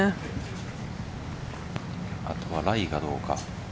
あとはライがどうか。